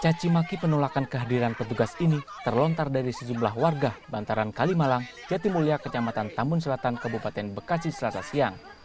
cacimaki penolakan kehadiran petugas ini terlontar dari sejumlah warga bantaran kalimalang jatimulya kecamatan tambun selatan kabupaten bekasi selasa siang